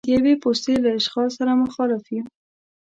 د یوې پوستې له اشغال سره مخالف یو.